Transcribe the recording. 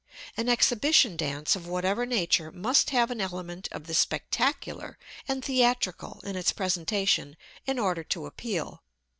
An exhibition dance of whatever nature must have an element of the spectacular and theatrical in its presentation in order to appeal.